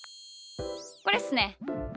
これっすね。